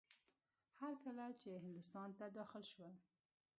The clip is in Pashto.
هر کله چې هندوستان ته داخل شول.